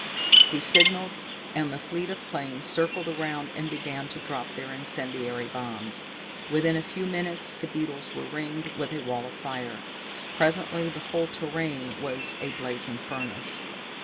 He signalled, and the fleet of planes circled around and began to drop their incendiary bombs. Within a few minutes the beetles were ringed with a wall of fire. Presently the whole terrain was a blazing furnace.